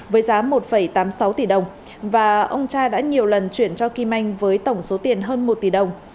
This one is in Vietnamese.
với giá một tám mươi sáu tỷ đồng và ông cha đã nhiều lần chuyển cho kim anh với tổng số tiền hơn một tỷ đồng